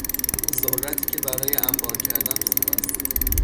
ذرتی که برای انبار کردن خوب است